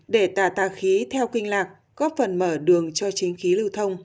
để tả tà khí theo kinh lạc góp phần mở đường cho chính khí lưu thông